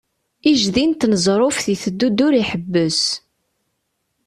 Ijdi n tneẓruft iteddu-d ur iḥebbes.